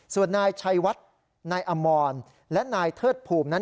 ส่วนนายชัยวัดนายอมรและนายเทิดภูมินั้น